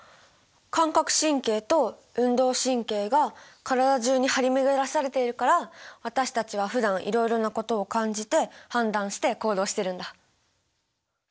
感覚神経と運動神経が体中に張り巡らされているから私たちはふだんいろいろなことを感じて判断して行動してるんだ。